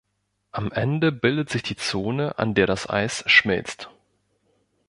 Am Ende bildet sie die Zone, an der das Eis schmilzt.